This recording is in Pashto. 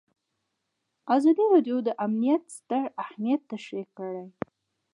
ازادي راډیو د امنیت ستر اهميت تشریح کړی.